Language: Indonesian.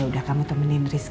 ya udah kamu temenin rizki ya